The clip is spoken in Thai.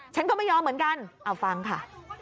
ฉันก็ไม่ยอมเหมือนกันเอาฟังค่ะ